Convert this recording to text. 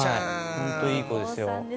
本当いい子ですよ。